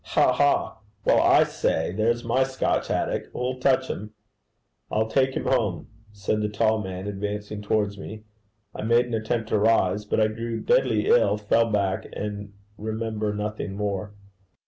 Ha! ha! Well, I say There's my Scotch haddock! who'll touch him?' 'I'll take him home,' said the tall man, advancing towards me. I made an attempt to rise. But I grew deadly ill, fell back, and remember nothing more.